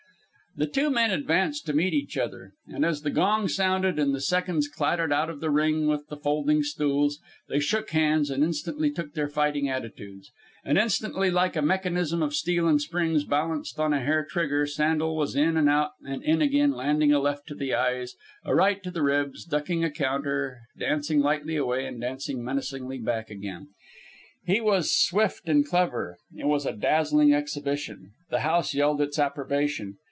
The two men advanced to meet each other, and, as the gong sounded and the seconds clattered out of the ring with the folding stools, they shook hands and instantly took their fighting attitudes. And instantly, like a mechanism of steel and springs balanced on a hair trigger, Sandel was in and out and in again, landing a left to the eyes, a right to the ribs, ducking a counter, dancing lightly away and dancing menacingly back again. He was swift and clever. It was a dazzling exhibition. The house yelled its approbation.